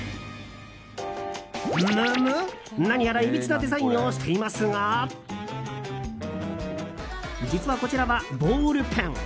むむっ、何やらいびつなデザインをしていますが実は、こちらはボールペン。